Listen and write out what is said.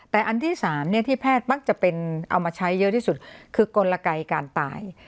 แต่อันที่๓ที่แพทย์มักจะเป็นเอามาใช้เยอะที่สุดคือกลไกการตาย